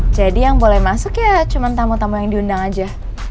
jadi yang boleh masuk ya cuma tamu tamu yang diundang aja